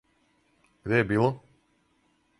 Где је било?